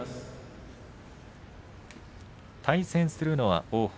対戦するのは王鵬